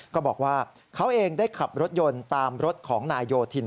ก็บอกว่าเขาเองได้ขับรถยนต์ตามรถของนายโยธิน